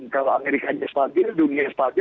kalau amerika yang spagil dunia yang spagil